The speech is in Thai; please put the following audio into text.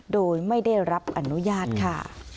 โดยไม่ได้รับอนุญาตค่ะ